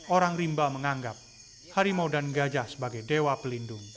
orang rimba menganggap harimau dan gajah sebagai dewa pelindung